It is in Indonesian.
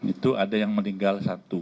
itu ada yang meninggal satu